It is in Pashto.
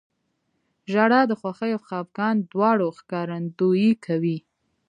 • ژړا د خوښۍ او خفګان دواړو ښکارندویي کوي.